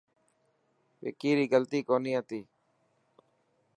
وڪي ري غلطي ڪوني هتي.